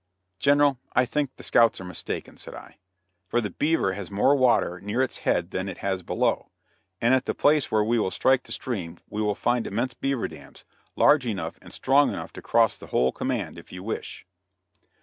"General, I think the scouts are mistaken," said I, "for the Beaver has more water near its head than it has below; and at the place where we will strike the stream we will find immense beaver dams, large enough and strong enough to cross the whole command, if you wish."